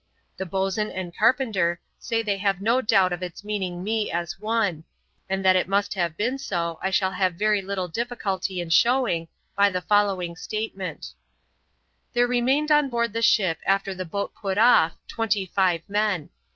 The boatswain and carpenter say they have no doubt of its meaning me as one; and that it must have been so, I shall have very little difficulty in showing, by the following statement: 'There remained on board the ship after the boat put off, twenty five men.